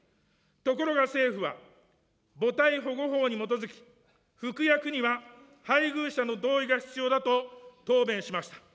ところが政府は、母体保護法に基づき、服薬には配偶者の同意が必要だと答弁しました。